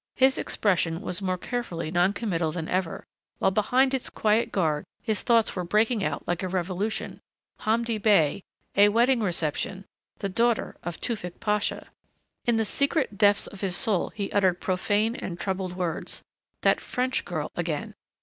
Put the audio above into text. His expression was more carefully non committal than ever, while behind its quiet guard his thoughts were breaking out like a revolution. Hamdi Bey.... A wedding reception.... The daughter of Tewfick Pasha.... In the secret depths of his soul he uttered profane and troubled words. That French girl, again....